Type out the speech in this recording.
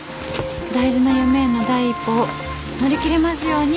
大事な夢への第一歩を乗り切れますように。